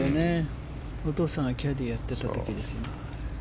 お父さんがキャディーやってた時ですね。